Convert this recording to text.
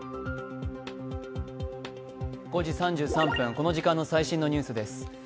この時間の最新ニュースです。